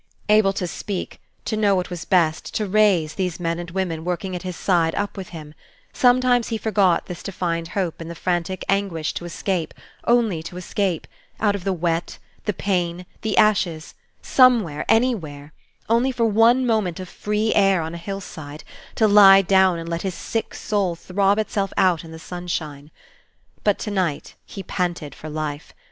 Able to speak, to know what was best, to raise these men and women working at his side up with him: sometimes he forgot this defined hope in the frantic anguish to escape, only to escape, out of the wet, the pain, the ashes, somewhere, anywhere, only for one moment of free air on a hill side, to lie down and let his sick soul throb itself out in the sunshine. But to night he panted for life.